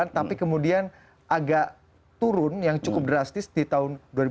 tapi kemudian agak turun yang cukup drastis di tahun dua ribu dua puluh